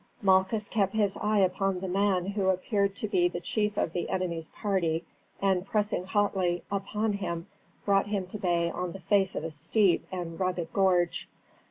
Malchus kept his eye upon the man who appeared to be the chief of the enemy's party, and pressing hotly upon him brought him to bay on the face of a steep and rugged gorge.